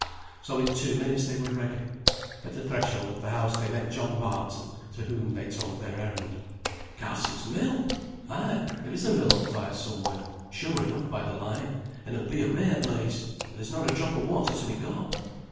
So in two minutes they were ready. At the threshold of the house they met John Barton, to whom they told their errand. "Carsons' mill! Ay, there is a mill on fire somewhere, sure enough, by the light, and it will be a rare blaze, for there's not a drop o' water to be got.